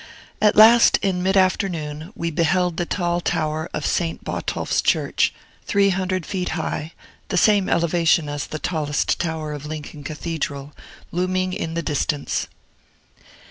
At last, in mid afternoon, we beheld the tall tower of Saint Botolph's Church (three hundred feet high, the same elevation as the tallest tower of Lincoln Cathedral) looming in the distance.